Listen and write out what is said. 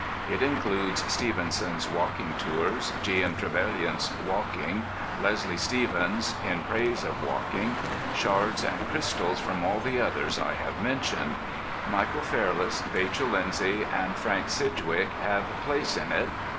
It includes Stevenson's "Walking Tours," G.M. Trevelyan's "Walking," Leslie Stephen's "In Praise of Walking," shards and crystals from all the others I have mentioned. Michael Fairless, Vachel Lindsay, and Frank Sidgwick have place in it.